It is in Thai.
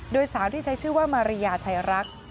โดยสาวที่ใช้ชื่อว่ามาริยาชัยรัก